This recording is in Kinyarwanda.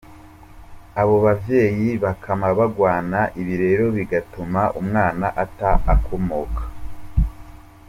"Abo bavyeyi bakama bagwana, ibi rero bigatuma umwana ata akomoka.